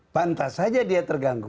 pantas saja dia terganggu